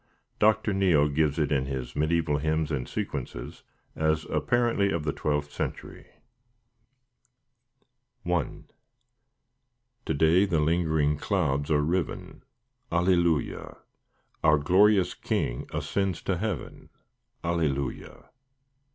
Dr. Neale gives it in his "Mediæval Hymns and Sequences" as "apparently of the twelfth century." I To day the lingering clouds are riven, Alleluia! Our glorious King ascends to heaven, Alleluia!